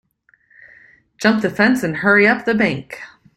Jump the fence and hurry up the bank.